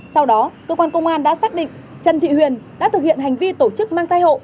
sau đó cơ quan công an đã xác định trần thị huyền đã thực hiện hành vi tổ chức mang thai hộ